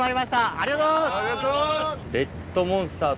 ありがとうございます！